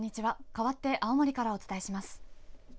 かわって青森からお伝えします。